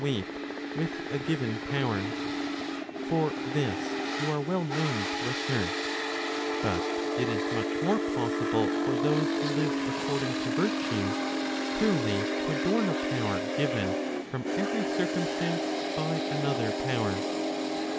461 weight with a given power; for this you are well known to assert; but it is much more possible for those who live according to virtue, truly to adorn a power given from every circumstance by another power.